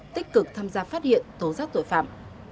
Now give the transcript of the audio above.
tích cực tham gia phát hiện tố giác tội phạm